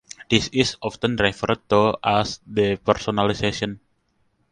This is often referred to as depersonalization.